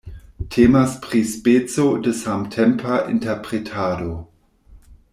Temas pri speco de samtempa interpretado.